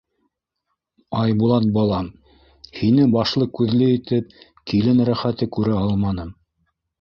— Айбулат балам, һине башлы-күҙле итеп, килен рәхәте күрә алманым.